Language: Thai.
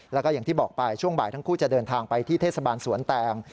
แล้วก็อย่างที่บอกไปช่วงบ่ายทั้งคู่จะเดินทางไปที่เทศบาลสวนแตง